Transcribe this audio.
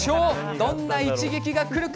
どんな一撃が出るのか。